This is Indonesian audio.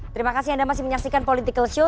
terima kasih anda masih menyaksikan political show